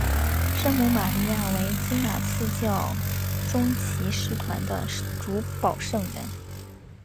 圣母玛利亚为金马刺教宗骑士团的主保圣人。